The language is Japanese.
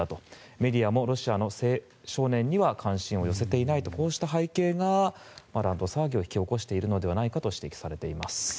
メディアもロシアの青少年には関心を寄せていないとこうした背景が乱闘騒ぎを引き起こしているのではないかと指摘されています。